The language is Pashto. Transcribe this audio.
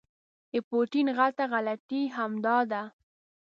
د پوټین غټه غلطي همدا ده.